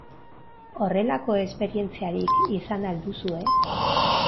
Horrelako esperientziarik izan al duzue?